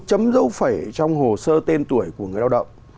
cấm dấu phẩy trong hồ sơ tên tuổi của người lao động